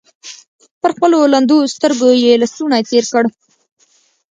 پر خپلو لندو سترګو يې لستوڼۍ تېر کړ.